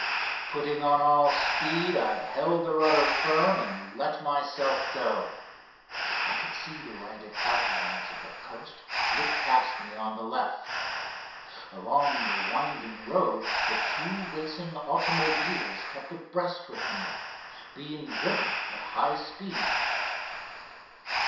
Putting on all speed I held the rudder firm and let myself go. I could see the ragged outlines of the coast flit past me on the left. Along the winding road the two racing automobiles kept abreast with me, being driven at high speed.